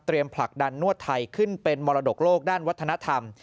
ผลักดันนวดไทยขึ้นเป็นมรดกโลกด้านวัฒนธรรม